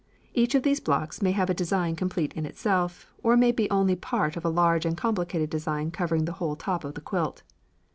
Each of these blocks may have a design complete in itself, or may be only part of a large and complicated design covering the whole top of the quilt.